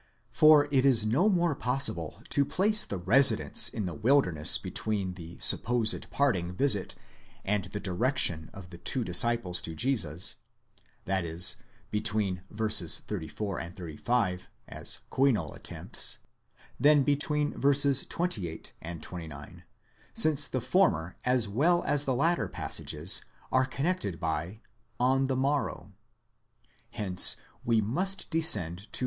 For it is no more possible to place the residence in the wilderness between the supposed parting visit and the direction of the two disciples to Jesus, that is between v. 34 and 35, as Kuinol attempts, than between v. 28 and 29, since the former as well as the latter passages are connected by τῇ ἐπαύριον, on the morrow, Hence we must descend to v.